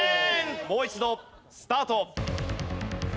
もう一度スタート。